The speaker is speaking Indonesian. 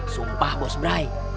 sumpah bos brai